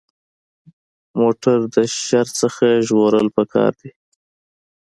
موټر د شر نه ژغورل پکار دي.